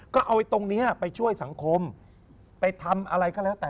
ก็เอาตรงนี้ไปช่วยสังคมไปทำอะไรก็แล้วแต่